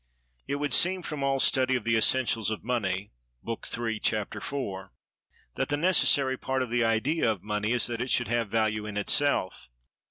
It would seem, from all study of the essentials of money (Book III, Chapter IV), that the necessary part of the idea of money is that it should have value in itself.